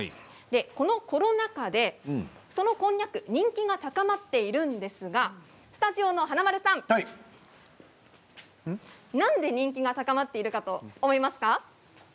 このコロナ禍でそのこんにゃく人気が高まっているんですがスタジオの華丸さんなんで人気が高まってると思いますか？